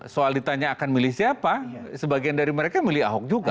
soal ditanya akan milih siapa sebagian dari mereka milih ahok juga